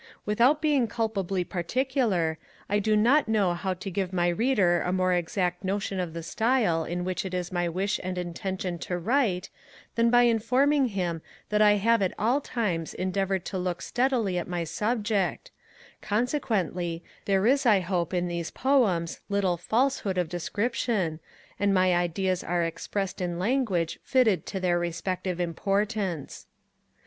Without being culpably particular, I do not know how to give my Reader a more exact notion of the style in which it was my wish and intention to write, than by informing him that I have at all times endeavoured to look steadily at my subject; consequently, there is I hope in these Poems little falsehood of description, and my ideas are expressed in language fitted to their respective importance.